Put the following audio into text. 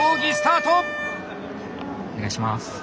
お願いします。